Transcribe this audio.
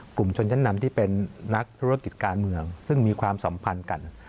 กลุ่มชนชั้นนำที่เป็นนักธุรกิจการเมืองซึ่งมีความสัมพันธ์กัน